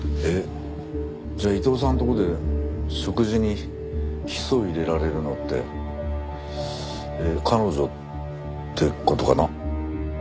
えっじゃあ伊藤さんのところで食事にヒ素を入れられるのって彼女って事かな？